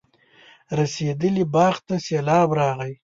رسېدلي باغ ته سېلاب راغی.